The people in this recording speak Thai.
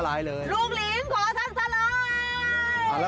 ลูกหลิงขอทั้งภาระ